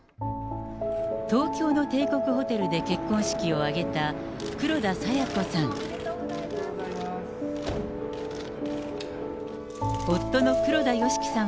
東京の帝国ホテルで結婚式を挙げた黒田清子さん。